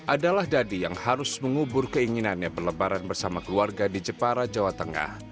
adalah dadi yang harus mengubur keinginannya berlebaran bersama keluarga di jepara jawa tengah